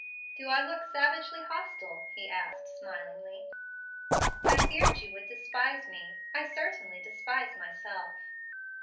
"Do I look savagely hostile?" he asked smilingly. "I feared you would despise me. I certainly despise myself."